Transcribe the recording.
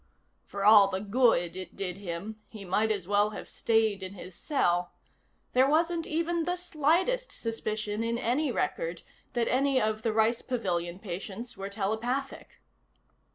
For all the good it did him he might as well have stayed in his cell. There wasn't even the slightest suspicion in any record that any of the Rice Pavilion patients were telepathic.